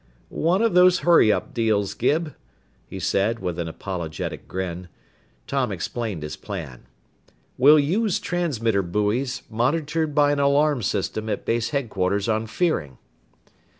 "One of those hurry up deals, Gib," he said with an apologetic grin. Tom explained his plan. "We'll use transmitter buoys, monitored by an alarm system at base headquarters on Fearing."